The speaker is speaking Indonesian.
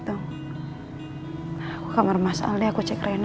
di thank you rumah asli akucek rena